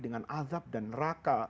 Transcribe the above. dengan azab dan neraka